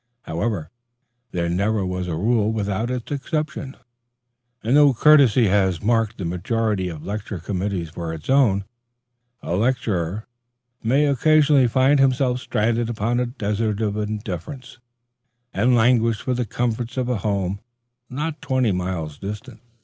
However, there never was a rule without its exception, and though courtesy has marked the majority of lecture committees for its own, a lecturer may occasionally find himself stranded upon a desert of indifference, and languish for the comforts of a home not twenty miles distant.